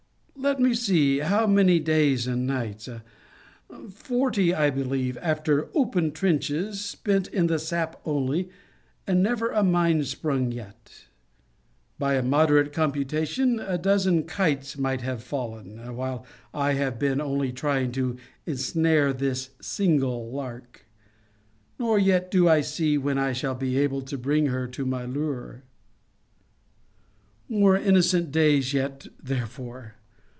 Let me see, how many days and nights? Forty, I believe, after open trenches, spent in the sap only, and never a mine sprung yet! By a moderate computation, a dozen kites might have fallen, while I have been only trying to ensnare this single lark. Nor yet do I see when I shall be able to bring her to my lure: more innocent days yet, therefore!